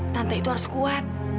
tante itu harus kuat